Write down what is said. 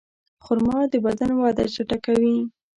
خرما د بدن وده چټکوي.